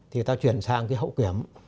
thì ta chuyển sang cái hậu kiểm